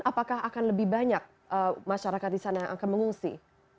apakah akan lebih banyak masyarakat di sana yang akan mengungsi